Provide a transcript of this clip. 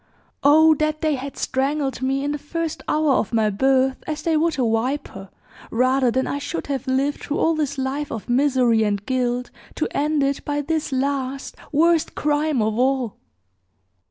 Oh, that they had strangled me in the first hour of my birth, as they would a viper, rather than I should have lived through all this life of misery and guilt, to end it by this last, worst crime of all!"